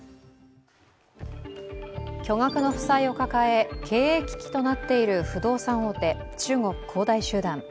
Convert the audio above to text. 巨額の負債を抱え経営危機となっている不動産大手、中国恒大集団。